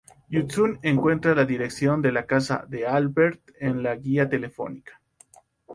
Yu Tsun encuentra la dirección de la casa de Albert en la guía telefónica.